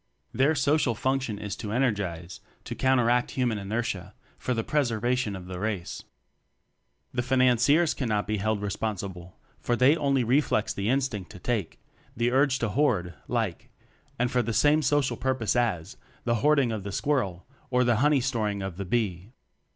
Their social function is to energize to counteract human inertia for the preservation of the Race. The Financiers cannot be held re sponsible, for they only reflex the in stinct "to take," the urge to hoard, like and for the same social pur pose as the hoarding of the squir rel or the honey storing of the bee.